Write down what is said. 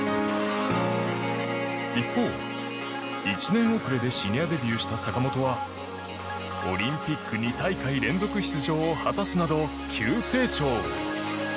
一方、１年遅れでシニアデビューした坂本はオリンピック２大会連続出場を果たすなど、急成長。